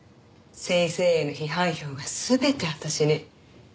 先生への批判票が全て私に。